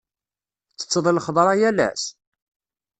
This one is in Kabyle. Ttetteḍ lxeḍra yal ass?